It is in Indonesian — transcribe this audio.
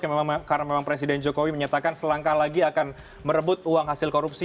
karena memang presiden jokowi menyatakan selangkah lagi akan merebut uang hasil korupsi